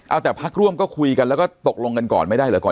เอาแต่พักร่วมก็คุยกันแล้วก็ตกลงกันก่อนไม่ได้เหรอก่อน